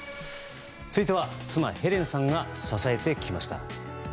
続いては妻ヘレンさんが支えてきました。